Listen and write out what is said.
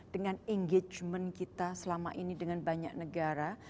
dengan engagement kita selama ini dengan banyak negara